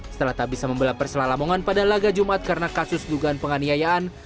setelah tak bisa membelak perselah lamongan pada laga jumat karena kasus dugaan penganeian